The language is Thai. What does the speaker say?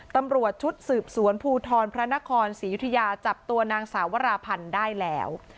ตำรวจชุดสืบสวนภูทรพระนครศรียุธยาจับตัวนางสาววราพันธ์ได้แล้ว